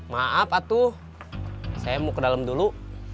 maaf atuh saya mau ke dalam dulu